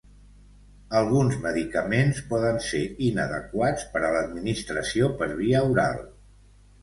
Alguns medicaments poden ser inadequats per a l'administració per via oral.